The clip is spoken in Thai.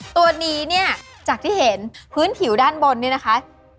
ตัวนี้เนี่ยจากที่เห็นพื้นผิวด้านบนเนี่ยนะคะ